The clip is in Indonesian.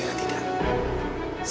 kamu harus berhenti